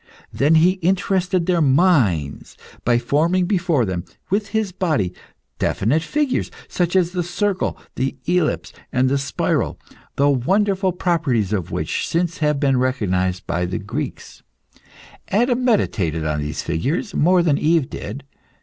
Then he interested their minds by forming before them, with his body, definite figures, such as the circle, the ellipse, and the spiral, the wonderful properties of which have since been recognised by the Greeks. Adam meditated on these figures more than Eve did.